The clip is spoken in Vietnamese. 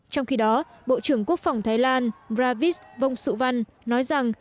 trong khi đó bộ trưởng quốc phòng thái lan ravis vong su van nói rằng